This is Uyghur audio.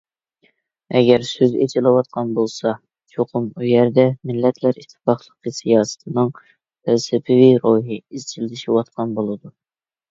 ئەگەر سۆز ئېچىلىۋاتقان بولسا، چوقۇم ئۇ يەردە «مىللەتلەر ئىتتىپاقلىقى» سىياسىتىنىڭ «پەلسەپىۋى» روھى ئىزچىللىشىۋاتقان بولىدۇ.